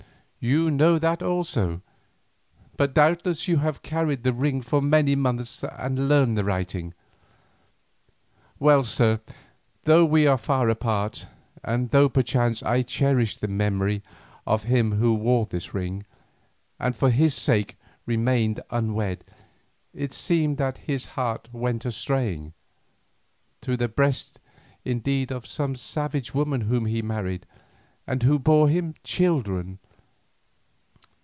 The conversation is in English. you know that also, but doubtless you have carried the ring for many months and learned the writing. Well, sir, though we were far apart, and though perchance I cherished the memory of him who wore this ring, and for his sake remained unwed, it seems that his heart went a straying—to the breast indeed of some savage woman whom he married, and who bore him children.